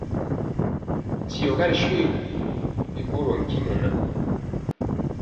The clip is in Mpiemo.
Diɔga ri shoégu, bi ɓorɔɔ ntimɔ ŋan.